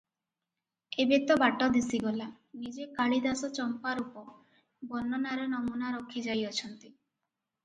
ଏବେ ତ ବାଟ ଦିଶିଗଲା, ନିଜେ କାଳିଦାସ ଚମ୍ପାରୂପ - ବର୍ଣ୍ଣନାର ନମୁନା ରଖିଯାଇଅଛନ୍ତି ।